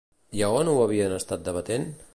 I a on ho havien estat debatent?